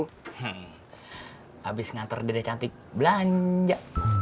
habis ngantar dede cantik belanja